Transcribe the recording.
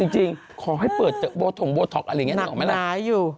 จริงขอให้เปิดโบโทคอะไรอย่างนี้นักหนาอยู่